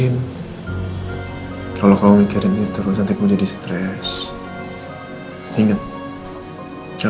masih gak ada balesan dari nino